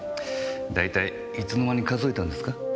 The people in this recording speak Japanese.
だいたいいつの間に数えたんですか？